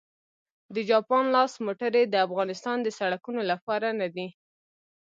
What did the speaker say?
د جاپان لاس موټرې د افغانستان د سړکونو لپاره نه دي